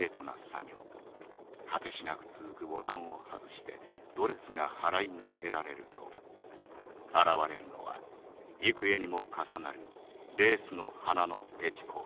果てしなく続くボタンを外してドレスが払いのけられると現れるのは幾重にも重なるレースの花のペチコート」。